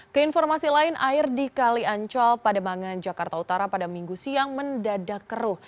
keinformasi lain air di kali ancol pademangan jakarta utara pada minggu siang mendadak keruh